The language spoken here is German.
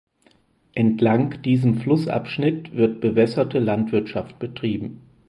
Entlang diesem Flussabschnitt wird bewässerte Landwirtschaft betrieben.